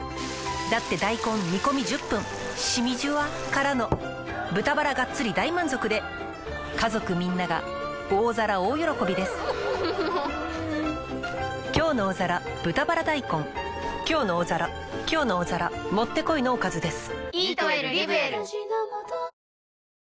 だって大根煮込み１０分しみじゅわからの豚バラがっつり大満足で家族みんなが大皿大喜びです「きょうの大皿」「きょうの大皿」もってこいのおかずです。